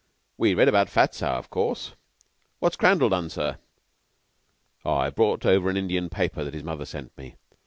We read about Fat Sow, of course. What's Crandall done, sir?" "I've brought over an Indian paper that his mother sent me.